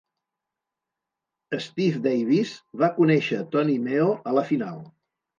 Steve Davis va conèixer Tony Meo a la final.